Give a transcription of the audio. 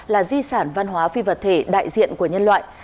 là di sản văn hóa phi vật thể đại diện của nhân loại